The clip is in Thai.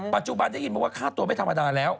ปัจจุบันได้ยินมาว่าค่าตัวไม่ธรรมดาแล้ว